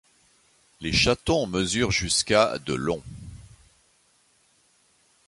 Les chatons mesurent jusqu'à de long.